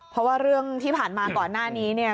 เพราะว่าเรื่องที่ผ่านมาก่อนหน้านี้เนี่ย